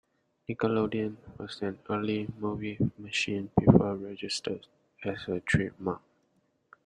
"Nickelodeon" was an early movie machine before registered as a trademark.